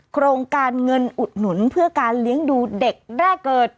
โครงการเงินอุดหนุนเพื่อการเลี้ยงดูเด็กแรกเกิด